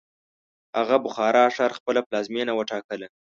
هغه بخارا ښار خپله پلازمینه وټاکله.